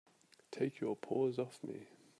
Take your paws off me!